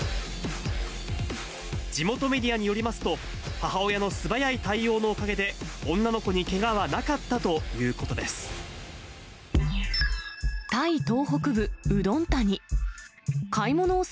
地元メディアによりますと、母親の素早い対応のおかげで、女の子にけがはなかったということです。